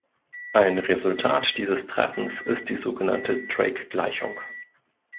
Ein Resultat dieses Treffens ist die sogenannte Drake-Gleichung.